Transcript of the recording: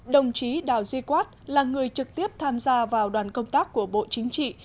đồng chí đào duy quát là người trực tiếp tham gia vào đoàn công tác của bộ chính trị